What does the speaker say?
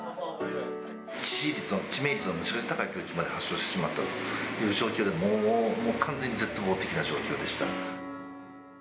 致死率の、致命率の非常に高い病気を発症してしまって、状況で、もう完全に絶望的な状況でした。